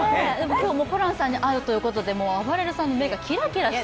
今日、ホランさんに会うということであばれるさんの目がキラキラしてて。